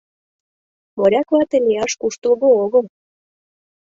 Моряк вате лияш куштылго огыл.